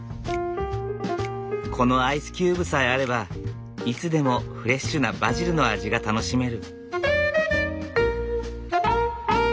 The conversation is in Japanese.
このアイスキューブさえあればいつでもフレッシュなバジルの味が楽しめる。